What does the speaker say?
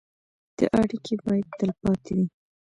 دا اړیکې به تلپاتې وي.